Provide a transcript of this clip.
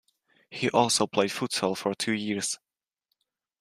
He also played futsal for two years.